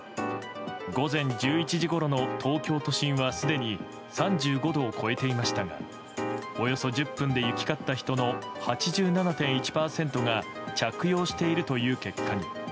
午前１１時ごろの東京都心はすでに３５度を超えていましたがおよそ１０分で行き交った人の８７．１％が着用しているという結果に。